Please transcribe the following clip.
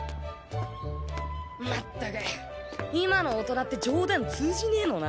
まったく今の大人って冗談通じねえのな。